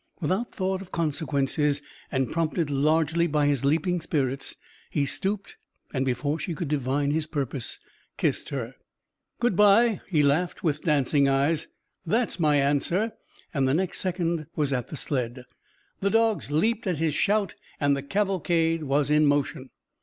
Without thought of consequences, and prompted largely by his leaping spirits, he stooped and, before she could divine his purpose, kissed her. "Good bye!" he laughed, with dancing eyes. "That's my answer!" and the next second was at the sled. The dogs leaped at his shout, and the cavalcade was in motion.